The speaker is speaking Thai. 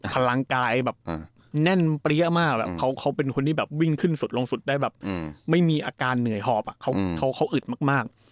พลังกายแบบแน่นเปรี้ยมากแบบเขาเป็นคนที่แบบวิ่งขึ้นสุดลงสุดได้แบบไม่มีอาการเหนื่อยหอบเขาอึดมาก